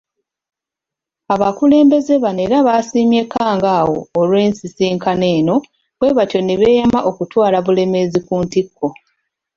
Abakulembeze bano era baasiimye Kkangaawo olw'ensisinkano eno bwebatyo ne beeyama okutwala Bulemeezi ku ntikko.